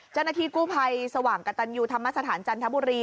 จนทีกู้ไพรสว่างกะตันยูธรรมสถานจันทบุรี